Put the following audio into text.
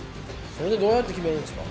それでどうやって決めるんすか？